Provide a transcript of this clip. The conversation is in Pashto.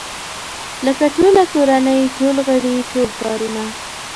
لکه ټوله کورنۍ ټول غړي ټول ښارونه.